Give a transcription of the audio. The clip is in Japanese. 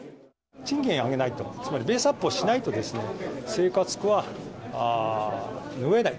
賃金上げないと、つまりベースアップをしないと、生活苦は拭えない。